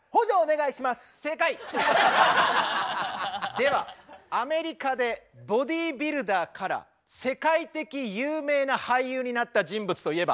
ではアメリカでボディービルダーから世界的有名な俳優になった人物といえば？